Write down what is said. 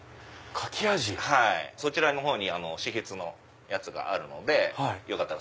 そちらに試筆のやつがあるのでよかったら。